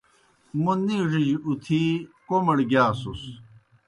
موْ نِیڙِجیْ اُتِھی کوْمَڑ گِیاسُس۔